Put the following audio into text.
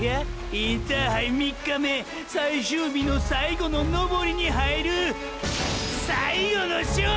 インターハイ３日目ぇ最終日の最後の登りに入るぅ最後の勝負や！！